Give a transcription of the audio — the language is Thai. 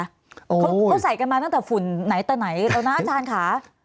เขาใส่กันมาตั้งแต่ฝุ่นไหนแต่ไหนแล้วนะอาจารย์ค่ะ